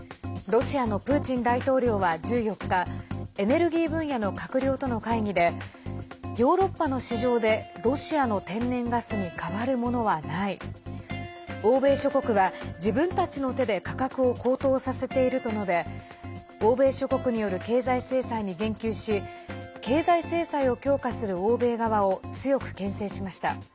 ロシアのプーチン大統領は１４日エネルギー分野の閣僚との会議でヨーロッパの市場でロシアの天然ガスに代わるものはない欧米諸国は自分たちの手で価格を高騰させていると述べ欧米諸国による経済制裁に言及し経済制裁を強化する欧米側を強くけん制しました。